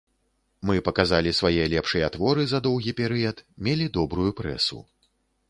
Мы паказалі свае лепшыя творы за доўгі перыяд, мелі добрую прэсу.